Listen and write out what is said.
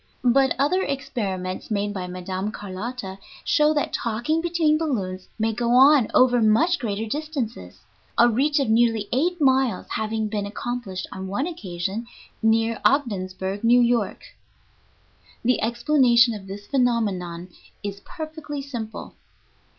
But other experiments made by Mme. Carlotta show that talking between balloons may go on over much greater distances, a reach of nearly eight miles having been accomplished on one occasion near Ogdensburg, New York. The explanation of this phenomenon is perfectly simple.